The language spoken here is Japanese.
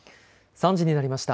３時になりました。